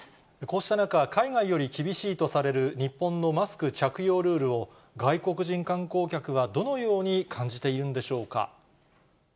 こうした中、海外より厳しいとされる日本のマスク着用ルールを外国人観光客はどのように感じているんでしょうか。